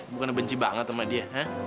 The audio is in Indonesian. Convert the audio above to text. bukan benci banget sama dia